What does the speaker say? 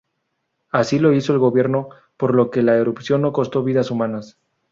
Así lo hizo el gobierno, por lo que la erupción no costó vidas humanas.